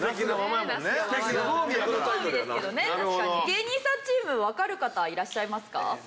芸人さんチームわかる方いらっしゃいますか？